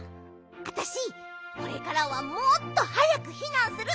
あたしこれからはもっとはやくひなんする。